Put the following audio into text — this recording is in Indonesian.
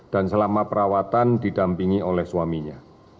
dan selama perawatan didampingi oleh suaminya